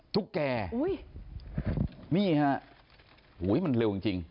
ทุกแก่อุ้ยนี่ฮะอุ้ยมันเร็วจริงจริง